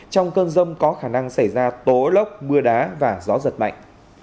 trong cơn rông có khả năng xảy ra tố lốc mưa đá và gió giật mạnh